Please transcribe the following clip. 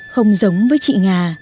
không giống với chị nga